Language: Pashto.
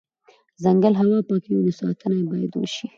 ځنګل هوا پاکوي، نو ساتنه یې بایدوشي